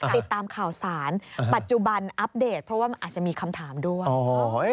ติดตามข่าวสารปัจจุบันอัปเดตเพราะว่ามันอาจจะมีคำถามด้วย